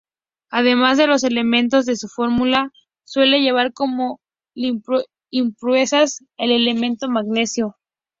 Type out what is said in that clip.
Además de los elementos de su fórmula, suele llevar como impurezas el elemento magnesio.